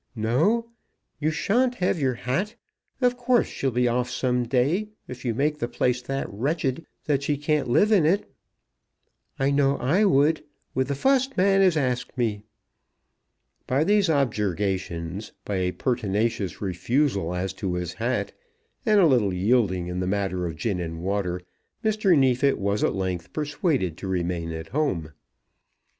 No; you shan't have your hat. Of course she'll be off some day, if you make the place that wretched that she can't live in it. I know I would, with the fust man as'd ask me." By these objurgations, by a pertinacious refusal as to his hat, and a little yielding in the matter of gin and water, Mr. Neefit was at length persuaded to remain at home.